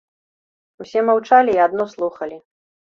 Усе маўчалі і адно слухалі.